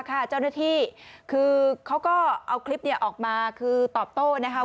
คือเขาก็เอาคลิปออกมาคือตอบโต้นะคะ